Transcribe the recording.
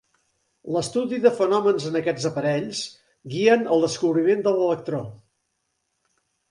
L’estudi de fenòmens en aquests aparells guien al descobriment de l’electró.